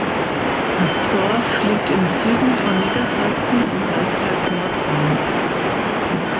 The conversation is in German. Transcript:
Das Dorf liegt im Süden von Niedersachsen im Landkreis Northeim.